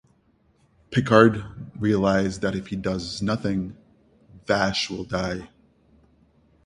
Picard realizes that if he does nothing, Vash will die.